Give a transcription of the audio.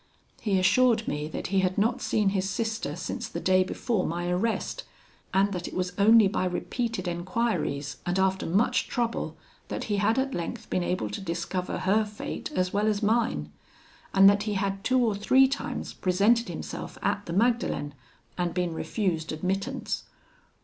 He assured me that he had not seen his sister since the day before my arrest, and that it was only by repeated enquiries, and after much trouble, that he had at length been able to discover her fate as well as mine; and that he had two or three times presented himself at the Magdalen, and been refused admittance.